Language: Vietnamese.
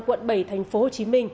quận bảy tp hcm